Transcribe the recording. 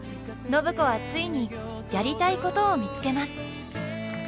暢子はついにやりたいことを見つけます。